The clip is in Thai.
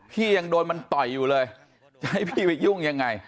พี่ยังโดนมันต่อยอยู่เลยจะให้พี่ไปยุ่งยังไง